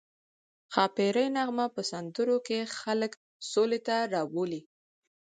ښاپیرۍ نغمه په سندرو کې خلک سولې ته رابولي